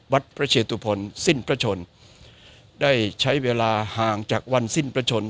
วัดพระเชตุพลสิ้นพระชนได้ใช้เวลาห่างจากวันสิ้นประชน